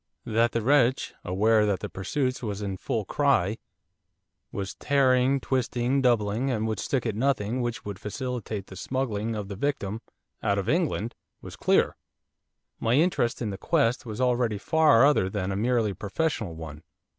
That the wretch, aware that the pursuit was in full cry, was tearing, twisting, doubling, and would stick at nothing which would facilitate the smuggling of the victim out of England, was clear. My interest in the quest was already far other than a merely professional one.